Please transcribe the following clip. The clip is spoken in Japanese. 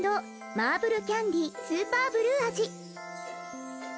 マーブル・キャンディ・スーパーブルー味。